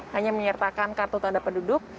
hanya menyertakan kartu tanduk